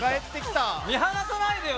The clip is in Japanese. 見放さないでよ